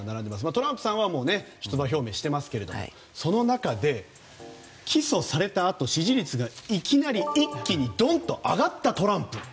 トランプさんは出馬表明してますがその中で起訴されたあと支持率がいきなり一気にどんと上がったトランプ。